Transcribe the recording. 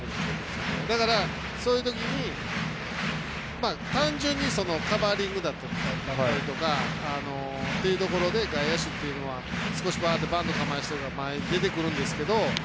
だから、そういうときに単純にカバーリングだとかというところで外野手というのは少しバントの構えしてるから前に出てくるんですけど。